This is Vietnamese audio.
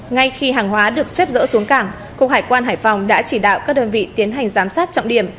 ngay khi hàng hóa được xếp dỡ xuống cảng cục hải quan hải phòng đã chỉ đạo các đơn vị tiến hành giám sát trọng điểm